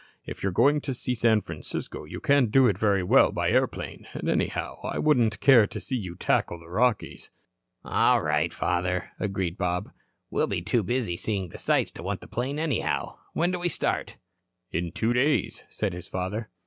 If you are going to see San Francisco, you can't do it very well by airplane. And, anyhow, I wouldn't care to see you tackle the Rockies." "All right, father," agreed Bob. "We'll be too busy seeing the sights to want the plane, anyhow. When do we start?" "In two days," said his father.